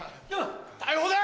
逮捕だ！